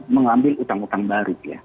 mengambil utang utang baru ya